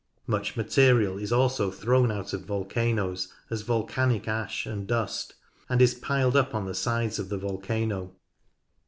Much material is also thrown out of volcanoes as volcanic ash and dust, and is piled up on the sides of the volcano.